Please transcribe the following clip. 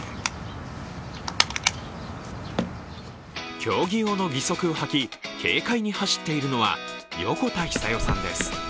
競技用の義足を履き軽快に走っているのは横田久世さんです。